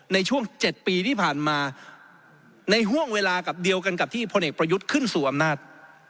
ในช่วง๗ปีที่ผ่านมาในห่วงเวลากับเดียวกันกับที่พลเอกประยุทธ์ขึ้นสู่อำนาจ